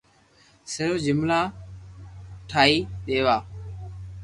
صرف جملا ٺائين ديوا